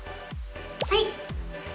はい。